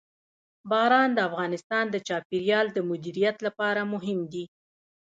باران د افغانستان د چاپیریال د مدیریت لپاره مهم دي.